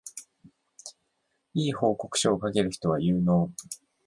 良い報告書を書ける人は有能